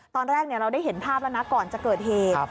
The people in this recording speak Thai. ตอนแรกเราได้เห็นภาพแล้วนะก่อนจะเกิดเหตุ